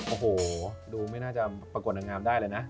โอ้โหดูไม่น่าจะปรากฏนางงามได้เลยนะ